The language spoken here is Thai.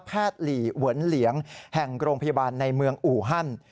หลีเหวนเหลียงแห่งโรงพยาบาลในเมืองอูฮัน